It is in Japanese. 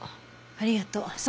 ありがとう。